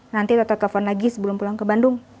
nanti tetap telepon lagi sebelum pulang ke bandung